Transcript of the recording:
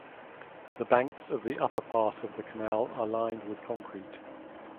The banks of the upper part of the canal are lined with concrete.